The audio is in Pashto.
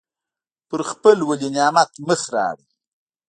پر خپل ولینعمت مخ را اړوي.